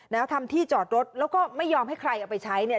แล้วทำที่จอดรถแล้วก็ไม่ยอมให้ใครเอาไปใช้เนี่ย